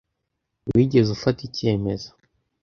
Wigeze ufata icyemezo?